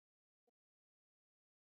د خپلو ملګرو درناوی وکړئ.